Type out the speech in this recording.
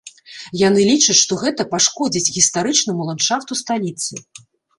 Яны лічаць, што гэта пашкодзіць гістарычнаму ландшафту сталіцы.